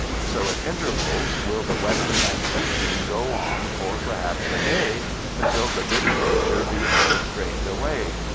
So at intervals will the wetting and seeping go on for, perhaps, a day, until the bitter nature be all strained away.